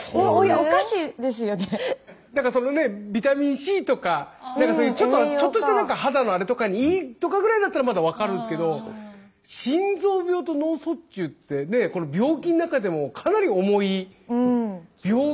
そのねビタミンＣとかそういうちょっとしたなんか肌のあれとかにいいとかぐらいだったらまだ分かるんすけど心臓病と脳卒中って病気の中でもかなり重い。